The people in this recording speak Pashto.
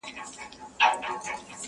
د پاچا په زړه کي ځای یې وو نیولی؛